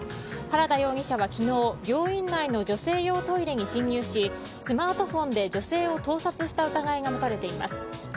原田容疑者は昨日、病院内の女性用トイレに侵入しスマートフォンで女性を盗撮した疑いが持たれています。